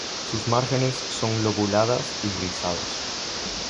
Sus márgenes son lobuladas y rizados.